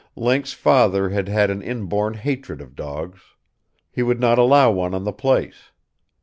Link's father had had an inborn hatred of dogs. He would not allow one on the place.